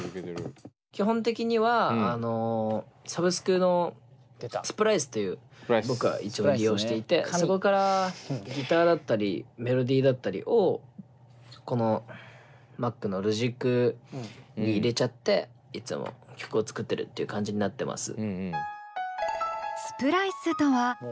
基本的にはサブスクのスプライスという僕はいつも利用していてそこからギターだったりメロディーだったりをこのＭａｃのＬｏｇｉｃに入れちゃっていつも曲を作ってるという感じになってます。